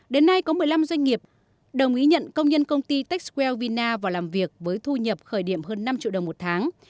đến nay có một mươi năm doanh nghiệp đồng ý nhận công nhân công ty techwell vina vào làm việc với thu nhập khởi điểm hơn năm triệu đồng một tháng